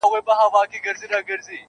ماته دا عجیبه ښکاره سوه -